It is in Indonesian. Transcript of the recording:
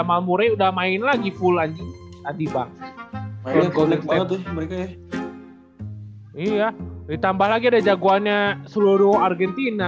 kalo gua liat kan atlanta hawks juga kan sebenernya